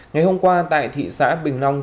ngày hôm qua tại thị xã bình long